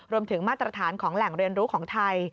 มาตรฐานของแหล่งเรียนรู้ของไทย